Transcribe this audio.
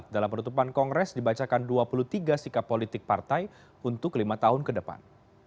dalam penutupan kongres dibacakan dua puluh tiga sikap politik partai untuk lima tahun ke depan